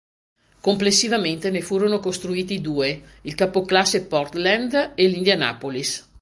Complessivamente, ne furono costruiti due: il capoclasse "Portland" e l’"Indianapolis".